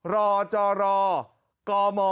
รจรกรมอ